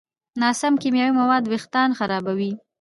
ناسم کیمیاوي مواد وېښتيان خرابوي.